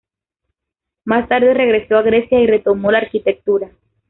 Más tarde regresó a Grecia y retomó la Arquitectura.